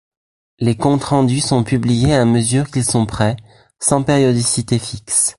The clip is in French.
Les comptes rendus sont publiés à mesure qu'ils sont prêts, sans périodicité fixe.